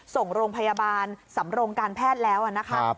ส่งโรงพยาบาลสำโรงการแพทย์แล้วนะคะ